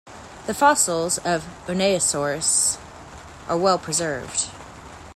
The fossils of "Unaysaurus" are well preserved.